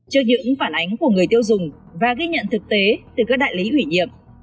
trước những phản ánh của người tiêu dùng và ghi nhận thực tế từ các đại lý ủy nhiệm